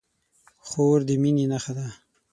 خور د مینې نښه ده.